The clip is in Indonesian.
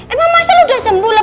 emang masa lo udah sembuh lah